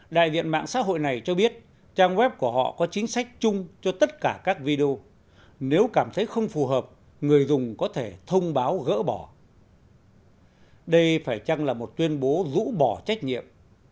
đại diện mạng xã hội này cho biết trang web của họ có chính sách chung cho tất cả các video nếu cảm thấy không phù hợp người dùng có thể thông báo gỡ bỏ đây phải chăng là một tuyên bố rũ bỏ trách nhiệm